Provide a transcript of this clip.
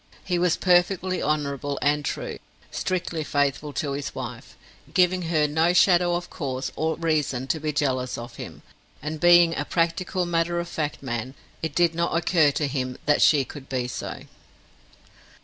He was perfectly honorable and true; strictly faithful to his wife, giving her no shadow of cause or reason to be jealous of him; and being a practical, matter of fact man, it did not occur to him that she could be so.